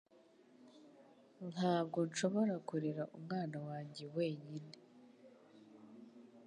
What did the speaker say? Ntabwo nshobora kurera umwana wanjye wenyine